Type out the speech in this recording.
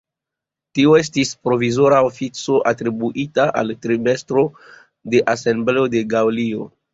Tio estis provizora ofico atribuita al tribestro de Asembleo de Gaŭlio.